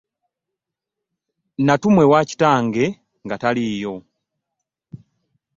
Natumwa ewa kitange nga taliiyo.